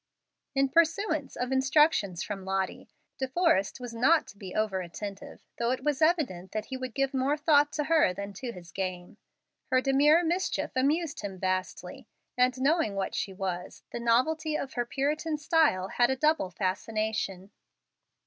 In pursuance of instructions from Lottie, De Forrest was not to be over attentive, though it was evident that he would give more thought to her than to his game. Her demure mischief amused him vastly, and, knowing what she was, the novelty of her Puritan style had a double fascination.